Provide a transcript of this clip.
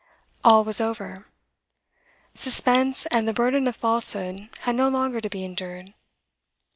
All was over. Suspense and the burden of falsehood had no longer to be endured.